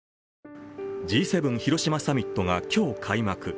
Ｇ７広島サミットが今日、開幕。